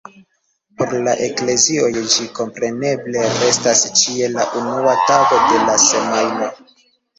Por la eklezioj ĝi kompreneble restas ĉie la unua tago de la semajno.